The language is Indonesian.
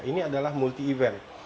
ini adalah multi event